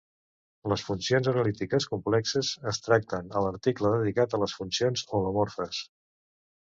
Les funcions analítiques complexes es tracten a l'article dedicat a les funcions holomorfes.